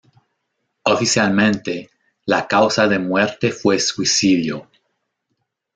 Oficialmente, la causa de muerte fue suicidio.